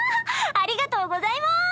ありがとうございます！